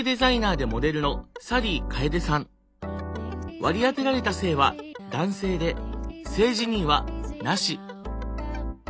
割り当てられた性は男性で性自認はなし。